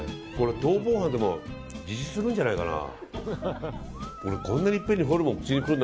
逃亡犯でも自首するんじゃないかな。